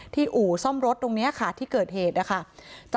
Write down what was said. อู่ซ่อมรถตรงนี้ค่ะที่เกิดเหตุนะคะ